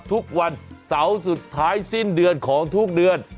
ทุกวันเสาร์สุดท้ายสิ้นเดือนของทุกเดือน